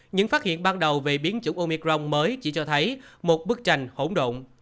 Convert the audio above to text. những phát hiện ban đầu về biến chủng omicron mới chỉ cho thấy một bức tranh hỗn động